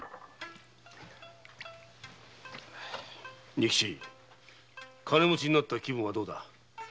仁吉金持ちになった気分はどうだ？